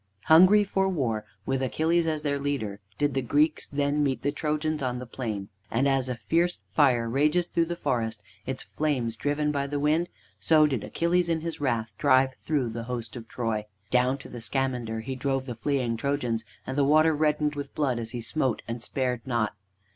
Hungry for war, with Achilles as their leader, did the Greeks then meet the Trojans on the plain. And as a fierce fire rages through the forest, its flames driven by the wind, so did Achilles in his wrath drive through the host of Troy. Down to the Scamander he drove the fleeing Trojans, and the water reddened with blood, as he smote and spared not.